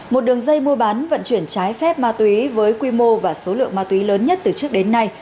một đường dây mua bán vận chuyển trái phép ma túy với quy mô và số lượng ma túy lớn nhất từ trước đến nay